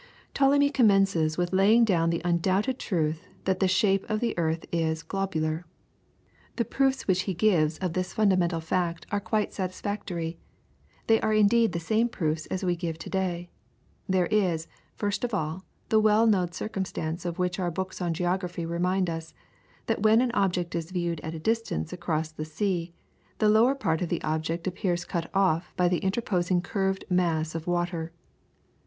Ptolemy commences with laying down the undoubted truth that the shape of the earth is globular. The proofs which he gives of this fundamental fact are quite satisfactory; they are indeed the same proofs as we give today. There is, first of all, the well known circumstance of which our books on geography remind us, that when an object is viewed at a distance across the sea, the lower part of the object appears cut off by the interposing curved mass of water.